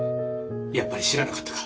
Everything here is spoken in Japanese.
やっぱり知らなかったか。